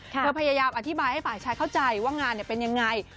เธอพยายามอธิบายให้ฝ่ายชัยว่างานเป็นอย่างไร